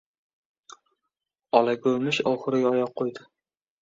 Ola govmish oxuriga oyoq qo‘ydi.